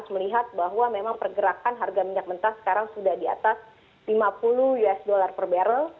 melihat bahwa memang pergerakan harga minyak mentah sekarang sudah di atas lima puluh usd per barrel